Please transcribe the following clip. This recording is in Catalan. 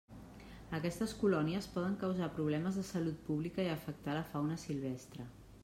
Aquestes colònies poden causar problemes de salut pública i afectar la fauna silvestre.